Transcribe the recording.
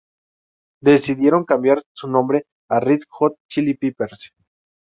Decidieron cambiar su nombre a Red Hot Chili Peppers.